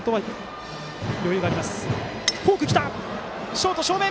ショートの正面！